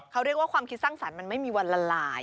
เขาเรียกว่าความคิดสร้างสรรค์มันไม่มีวันละลาย